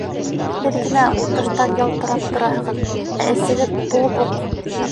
Һеҙ генә ул тыштан ялтырап тораһығыҙ, ә әсегеҙ тулы буҡ!